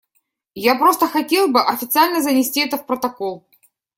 Я просто хотел бы официально занести это в протокол.